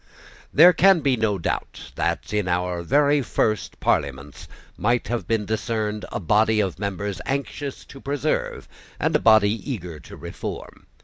There can be no doubt that in our very first Parliaments might have been discerned a body of members anxious to preserve, and a body eager to reform.